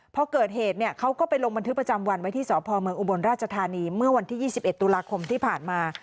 พอเกิดเหตุเนี่ยเขาก็ไปลงบันทึกประจำวันไว้ที่สพเมืองอุบลราชธานีเมื่อวันที่๒๑ตุลาคมที่ผ่านมา